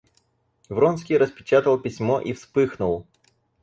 Вронский распечатал письмо и вспыхнул.